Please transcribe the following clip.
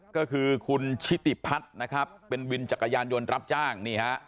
ก็คือคือคุณชิติพัทเป็นวินจักรยานยนต์รับจ้าง